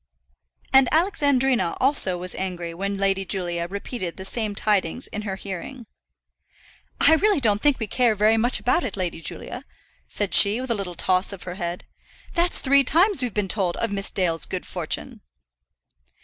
And Alexandrina also was angry when Lady Julia repeated the same tidings in her hearing. "I really don't think we care very much about it, Lady Julia," said she, with a little toss of her head. "That's three times we've been told of Miss Dale's good fortune."